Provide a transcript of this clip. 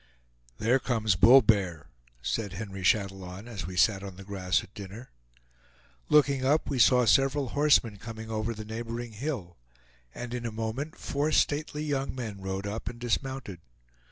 "There comes Bull Bear," said Henry Chatillon, as we sat on the grass at dinner. Looking up, we saw several horsemen coming over the neighboring hill, and in a moment four stately young men rode up and dismounted.